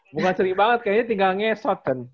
bukan sering banget kayaknya tinggalnya short term